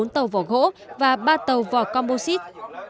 bốn tàu vỏ gỗ và ba tàu vỏ combo xít